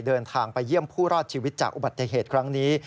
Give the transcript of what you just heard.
เดินทางไปเยี่ยมผู้รอดชีวิตจากอุบัติเหตุครั้งนี้